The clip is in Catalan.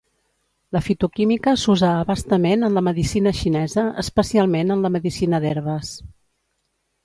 La fitoquímica s'usa a bastament en la medicina xinesa especialment en la medicina d'herbes.